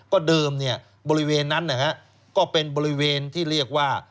ก็เดิมเนี่ยบริเวณนั้นนะฮะก็เป็นบริเวณที่เรียกว่า